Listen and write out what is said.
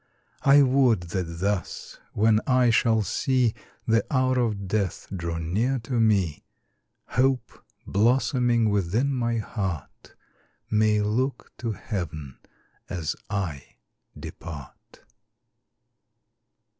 I would that thus, when I shall see The hour of death draw near to me, Hope, blossoming within my heart, May look to heaven as I depart.